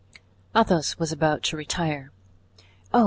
Athos was about to retire. "Oh!